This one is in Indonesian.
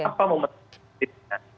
apa momentum politiknya